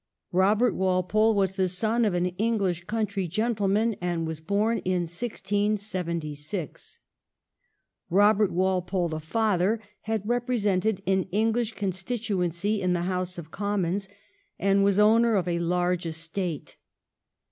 Robert Walpole was the son of an English country gentleman, and was born in 1676. Eobert Walpole, the father, had represented an Enghsh constituency in the House of Commons, and was owner of a large estate.